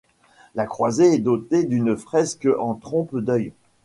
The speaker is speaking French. La croisée est dotée d'une fresque en trompe-l'œil.